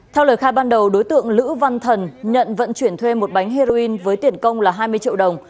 theo lời khai ban đầu đối tượng lữ văn thần nhận vận chuyển thuê một bánh heroin với tiền công là hai mươi triệu đồng